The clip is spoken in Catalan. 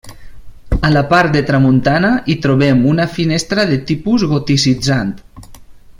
A la part de tramuntana hi trobem una finestra de tipus goticitzant.